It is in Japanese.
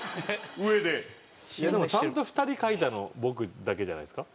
でもちゃんと２人描いたの僕だけじゃないですか？